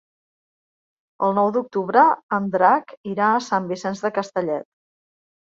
El nou d'octubre en Drac irà a Sant Vicenç de Castellet.